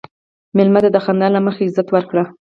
مېلمه ته د خندا له مخې عزت ورکړه.